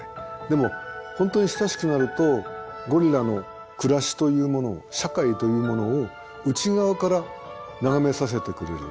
でも本当に親しくなるとゴリラの暮らしというものを社会というものを内側から眺めさせてくれる。